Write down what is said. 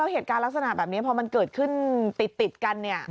เหตุการณ์ลักษณะแบบนี้พอมันเกิดขึ้นติดกันเนี่ย